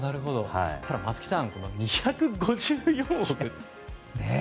ただ、松木さん２５４億ってね。